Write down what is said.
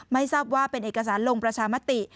ไม่ทราบว่าเป็นเอกสารลงประชามติ